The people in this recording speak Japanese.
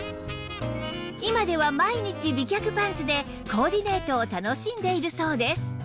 今では毎日美脚パンツでコーディネートを楽しんでいるそうです